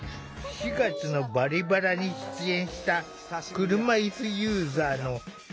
４月の「バリバラ」に出演した車いすユーザーのセナさん